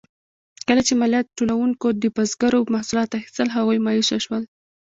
کله چې مالیات ټولونکو د بزګرو محصولات اخیستل، هغوی مایوسه شول.